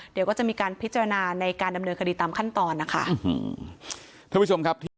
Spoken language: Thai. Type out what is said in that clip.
เดี๋ยวก็จะมีการพิจารณาในการดำเนินคดีตามขั้นตอนนะคะอืมทุกผู้ชมครับ